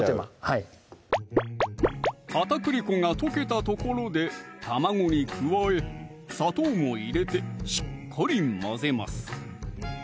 はい片栗粉が溶けたところで卵に加え砂糖も入れてしっかり混ぜます